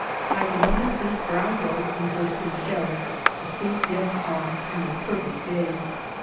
I can only see brown hills and bursting shells, a sea dead calm, and a perfect day.